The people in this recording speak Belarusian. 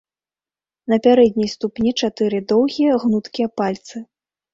На пярэдняй ступні чатыры доўгія, гнуткія пальцы.